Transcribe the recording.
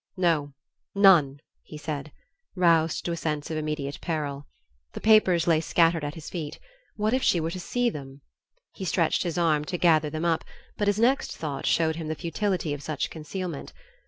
"No none " he said, roused to a sense of immediate peril. The papers lay scattered at his feet what if she were to see them? He stretched his arm to gather them up, but his next thought showed him the futility of such concealment.